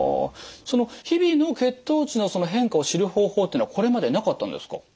その日々の血糖値のその変化を知る方法っていうのはこれまでなかったんですか？